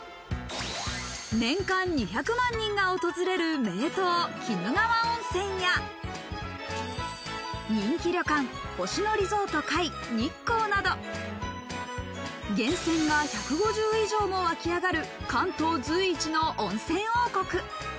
年間２００万人が訪れる名湯・鬼怒川温泉や人気旅館「星野リゾート界日光」など、源泉が１５０以上も湧き上がる関東随一の温泉王国。